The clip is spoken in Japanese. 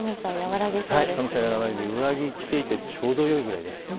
寒さは和らいで上着を着ていてちょうどよいくらいです。